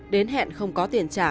đến hẹn không có tiền trả